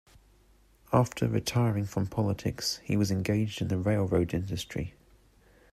After retiring from politics, he was engaged in the railroad industry.